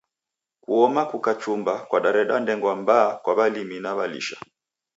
Kuoma kukachumba kwadareda ndengwa mbaa kwa walimi na walisha.